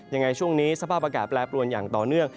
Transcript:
ยังไงช่วงนี้สภาพอากาศแปรปรวนอย่างต่อเนื่อง